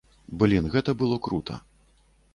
Блін, гэта было крута.